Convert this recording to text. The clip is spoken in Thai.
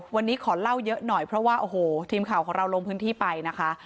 วันนี้ขอเล่าเยอะหน่อยเพราะว่าโอ้โหทีมข่าวของเราลงพื้นที่ไปนะคะ